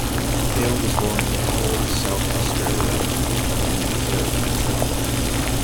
Hale was born in Cowell, South Australia on the Eyre Peninsula.